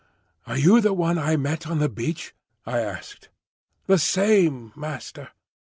"Are you the one I met on the beach?" I asked. "The same, Master."